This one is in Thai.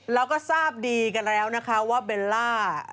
เราก็ทราบดีกันแล้วนะคะว่าเบลล่า